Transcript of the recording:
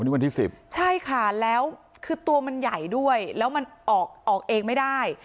นี่วันที่๑๐ใช่ค่ะแล้วคือตัวมันใหญ่ด้วยแล้วมันออกออกเองไม่ได้